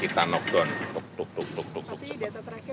kira kira nama rumah ini seperti apa